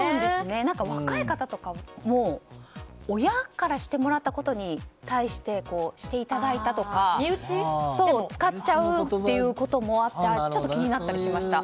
若い方とかも親からしてもらったことに対してしていただいたとか使っちゃうっていうこともあってちょっと気になったりしました。